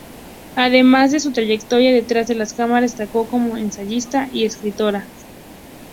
Además de su trayectoria detrás de cámaras, destacó como ensayista y escritora.